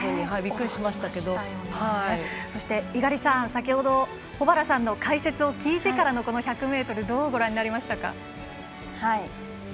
猪狩さん、先ほど保原さんの解説聞いてからのこの１００ｍどうご覧になりましたか？